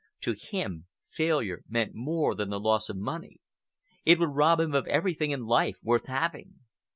To him failure meant more than the loss of money; it would rob him of everything in life worth having.